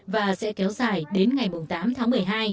và sẽ kéo dài đến ngày tám tháng một mươi hai